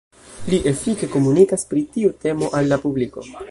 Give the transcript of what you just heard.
Li efike komunikas pri tiu temo al la publiko.